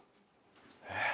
えっ？